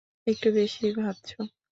একটু বেশিই ভাবছো।